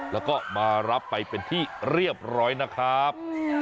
แล้วก็มารับไปเป็นที่เรียบร้อยนะครับ